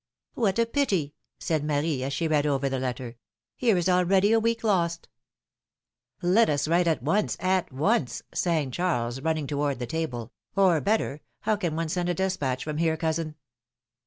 '^ What a pity !'' said Marie, as she read over the letter. Here is already a v/eek lost ! ^^Let us write at once, at once," sang Charles, running toward the table; ^^or, better, how can one send a des patch from here, cousin